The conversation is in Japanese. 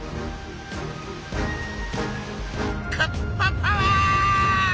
カッパパワーッ！